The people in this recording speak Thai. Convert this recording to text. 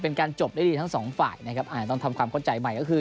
เป็นการจบได้ดีทั้งสองฝ่ายนะครับอ่าต้องทำความเข้าใจใหม่ก็คือ